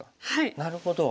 なるほど。